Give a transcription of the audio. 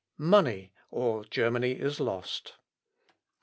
money! or Germany is lost."